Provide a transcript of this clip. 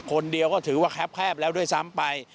คนเดียวก็ถือว่าแคบแล้วด้วยซ้ำไป